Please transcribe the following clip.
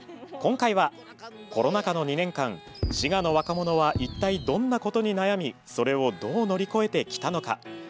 今回はコロナ禍の２年間滋賀の若者は一体どんなことに悩みそれをどう乗り越えてきたのか。